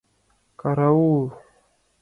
— Караул!